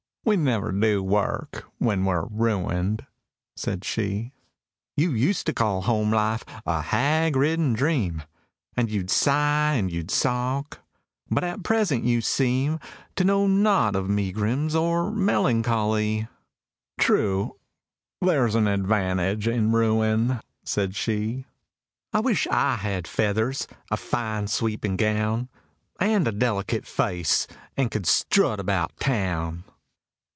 — "We never do work when we're ruined," said she. —"You used to call home life a hag ridden dream, And you'd sigh, and you'd sock; but at present you seem To know not of megrims or melancho ly!"— "True. There's an advantage in ruin," said she. —"I wish I had feathers, a fine sweeping gown, And a delicate face, and could strut about Town!"